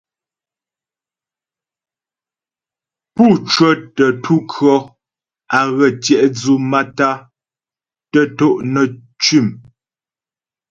Pú cwətə ntu kʉɔ̌ á ghə tyɛ'dwʉ maə́tá'a tə to' nə́ cʉ̂m.